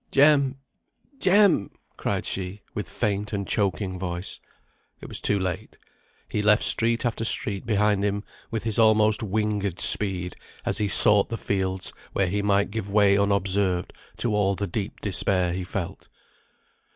"Jem! Jem!" cried she, with faint and choking voice. It was too late; he left street after street behind him with his almost winged speed, as he sought the fields, where he might give way unobserved to all the deep despair he felt.